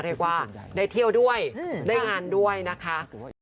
ได้เที่ยวด้วยได้งานด้วยนะคะ